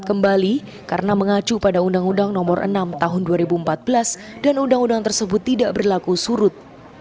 dan kemudian diangkat kembali karena mengacu pada undang undang nomor enam tahun dua ribu empat belas dan undang undang tersebut tidak berlaku surut